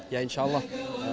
ya insya allah